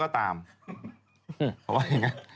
เขาว่าเอง